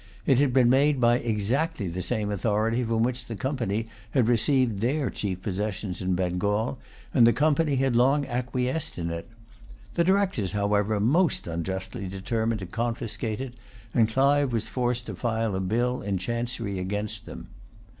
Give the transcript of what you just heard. It had been made by exactly the same authority from which the Company had received their chief possessions in Bengal, and the Company had long acquiesced in it. The Directors, however, most unjustly determined to confiscate it, and Clive was forced to file a bill in chancery against them.